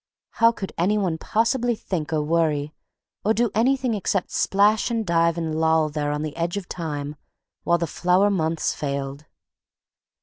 How could any one possibly think or worry, or do anything except splash and dive and loll there on the edge of time while the flower months failed.